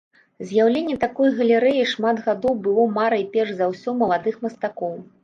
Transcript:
З'яўленне такой галерэі шмат гадоў было марай перш за ўсё маладых мастакоў.